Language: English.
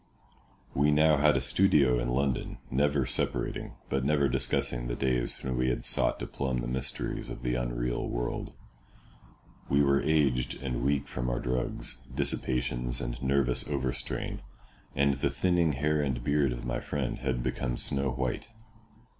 We now had a studio in London, never separating, but never discussing the days when we had sought to plumb the mysteries of the unreal world. We were aged and weak from our drugs, dissipations, and nervous overstrain, and the thinning hair and beard of my friend had become snow white.